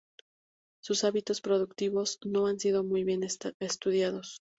Sus hábitos reproductivos no han sido muy bien estudiados.